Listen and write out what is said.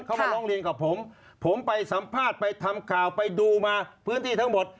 เขามาร้องเรียนกับผมผมไปสัมภาษณ์ไปทำข่าวไปดูมาพื้นที่ทั้งหมด